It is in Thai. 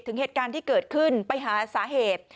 ถึงเหตุการณ์ที่เกิดขึ้นไปหาสาเหตุ